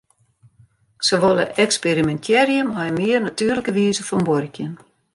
Se wolle eksperimintearje mei in mear natuerlike wize fan buorkjen.